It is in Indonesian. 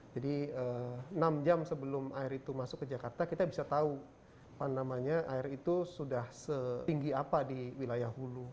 jadi enam jam sebelum air itu masuk ke jakarta kita bisa tahu pandemanya air itu sudah setinggi apa di wilayah hulu